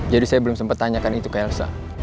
saya belum sempat tanyakan itu ke elsa